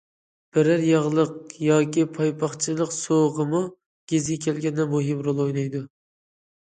بىرەر ياغلىق ياكى پايپاقچىلىق سوۋغىمۇ گېزى كەلگەندە، مۇھىم رول ئوينايدۇ.